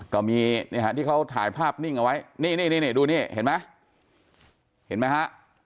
ก็มีที่เขาถ่ายภาพนิ่งเอาไว้นี่ดูนี่เห็นมั้ยเห็นมั้ยฮะ